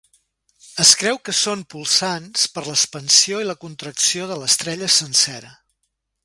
Es creu que són polsants per l'expansió i la contracció de l'estrella sencera.